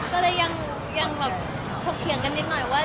ก็เลยยังแบบถกเถียงกันนิดหน่อยว่า